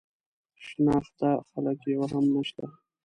شناخته خلک یې یو هم نه شته.